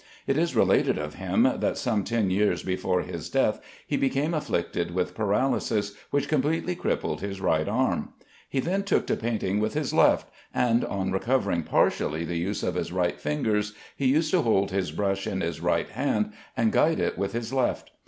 It is related of him that some ten years before his death he became afflicted with paralysis, which completely crippled his right arm. He then took to painting with his left, and on recovering partially the use of his right fingers he used to hold his brush in his right hand and guide it with his left.